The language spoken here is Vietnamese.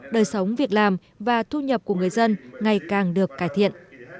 đời sống việc làm và thu nhập của người dân ngày càng được cải thiện